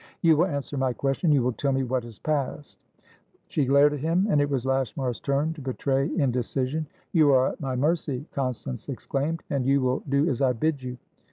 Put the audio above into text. "You will answer my question. You will tell me what has passed." She glared at him, and it was Lashmar's turn to betray indecision. "You are at my mercy," Constance exclaimed, "and you will do as I bid you."